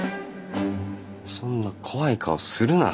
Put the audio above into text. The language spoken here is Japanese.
そんな怖い顔するな。